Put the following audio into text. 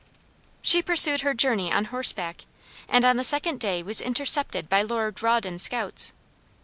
She pursued her journey on horseback, and on the second day was intercepted by Lord Rawdon's scouts.